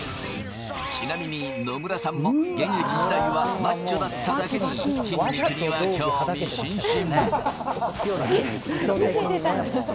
ちなみに野村さんも現役時代はマッチョだっただけに、筋肉には興味津々。